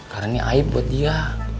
karena ini aib buat dia